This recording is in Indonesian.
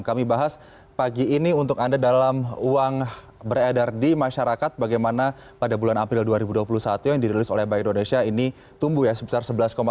kami bahas pagi ini untuk anda dalam uang beredar di masyarakat bagaimana pada bulan april dua ribu dua puluh satu yang dirilis oleh bank indonesia ini tumbuh ya sebesar sebelas dua